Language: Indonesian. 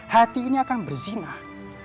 hati ini akan berzinah